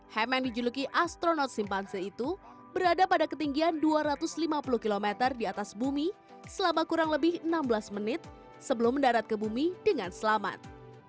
ham yang dijuluki astronot simpanse itu berada pada ketinggian dua ratus lima puluh km di atas bumi selama kurang lebih enam belas menit sebelum mendarat ke bumi dengan selamat